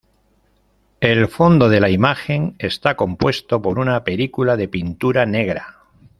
El fondo de la imagen está compuesto por una película de pintura negra.